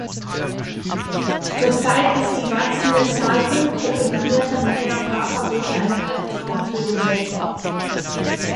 Zur Zeit ist die wachsende Zahl unkoordinierter neuer Fahrverbote ein Albtraum für den Sektor.